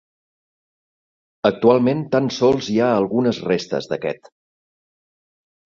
Actualment tan sols hi ha algunes restes d'aquest.